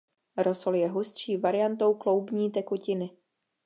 Rosol je hustší variantou kloubní tekutiny.